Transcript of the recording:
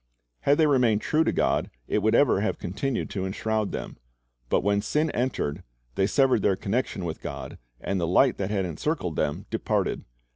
Had they remained true to God, it would ever have continued to enshroud them. But when sin entered, they severed their connection with God, and the light that had encircled them departed.